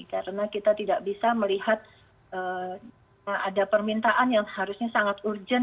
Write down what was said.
karena kita tidak bisa melihat ada permintaan yang harusnya sangat urgent